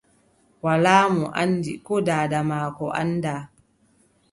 Walaa mo anndi ko daada maako anndaa.